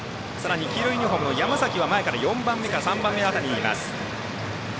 黄色いユニフォームの山崎は前から４番目辺りにいます。